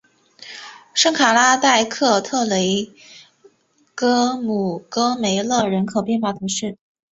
圣卡拉代克特雷戈梅勒人口变化图示